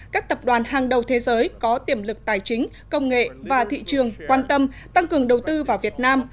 các tập đoàn hàng đầu thế giới có tiềm lực tài chính công nghệ và thị trường quan tâm tăng cường đầu tư vào việt nam